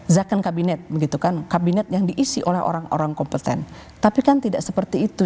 zakon kabinet begitu kan kabinet yang diisi oleh orang orang kompeten tapi kan tidak seperti itu